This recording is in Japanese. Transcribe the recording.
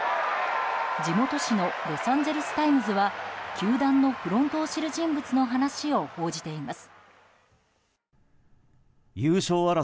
地元紙のロサンゼルス・タイムズは球団のフロントを知る人物の話を報じています。